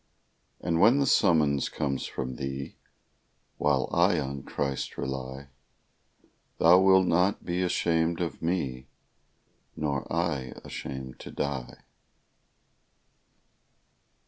And when the summons comes from Thee, While I on Christ rely, Thou wilt not be ashamed of me, Nor I ashamed to die.